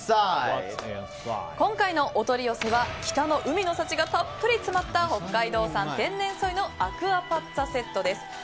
今回のお取り寄せは北の海の幸がたっぷり詰まった北海道産天然ソイのアクアパッツァセットです。